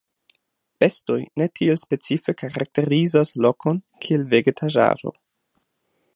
Bestoj ne tiel specife karakterizas lokon kiel vegetaĵaro.